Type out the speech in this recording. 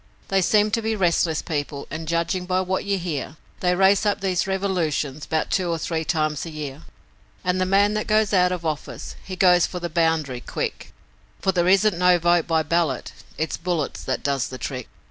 They seemed to be restless people and, judging by what you hear, They raise up these revolutions 'bout two or three times a year; And the man that goes out of office, he goes for the boundary QUICK, For there isn't no vote by ballot it's bullets that does the trick.